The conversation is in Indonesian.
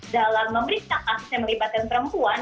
dalam memeriksa kasus yang melibatkan perempuan